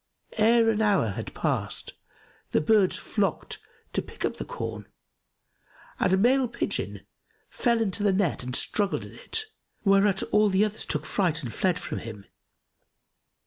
Ere an hour had passed the birds flocked to pick up the corn and a male pigeon[FN#277] fell into the net and struggled in it, whereat all the others took fright and fled from him.